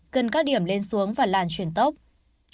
cần các điểm lên xuống và làn chuyển tốc